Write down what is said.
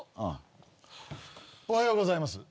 おはようございます。